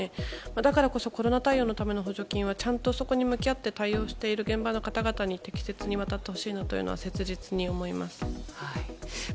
だからこそコロナ対応のための補助金は向き合って対応している現場の方々に適切に渡ってほしいというのは切実に思います。